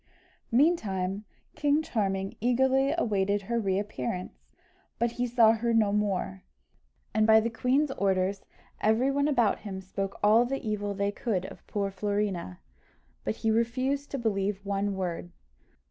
Meantime King Charming eagerly awaited her re appearance, but he saw her no more; and by the queen's orders, every one about him spoke all the evil they could of poor Florina, but he refused to believe one word.